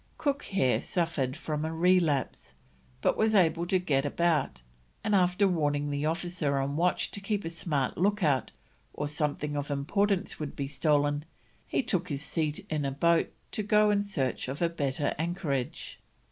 Cook here suffered from a relapse, but was able to get about, and after warning the officer on watch to keep a smart look out, or something of importance would be stolen, took his seat in a boat to go in search of a better anchorage.